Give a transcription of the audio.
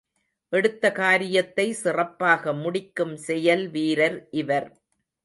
எடுத்த காரியத்தை சிறப்பாக முடிக்கும் செயல் வீரர் இவர்.